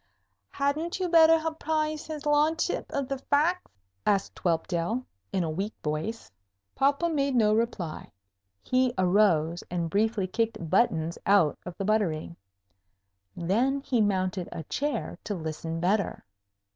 "Hadn't you better apprise his ludship of the facks?" asked Whelpdale, in a weak voice. Popham made no reply. He arose and briefly kicked Buttons out of the buttery. Then he mounted a chair to listen better.